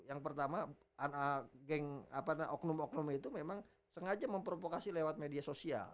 yang pertama geng oknum oknum itu memang sengaja memprovokasi lewat media sosial